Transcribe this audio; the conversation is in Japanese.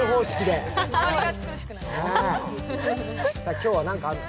今日は何かあるの？